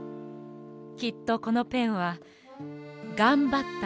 きっとこのペンはがんばったのね。